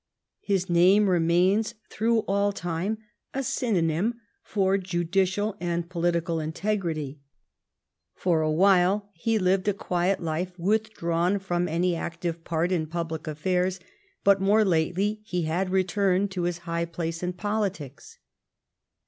His name remains through all time a synonym for judicial and political integrity. For a while he lived a quiet life, withdrawn from any active part in public affairs, but more lately he had returned to his high place in politics.